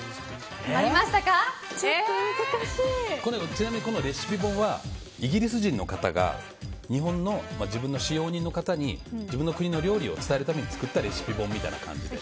ちなみにこのレシピ本はイギリス人の方が日本の自分の使用人の方に自分の国の料理を伝えるために作ったレシピ本みたいな感じで。